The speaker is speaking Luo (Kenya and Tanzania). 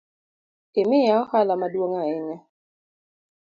Imiya ohala maduong’ ahinya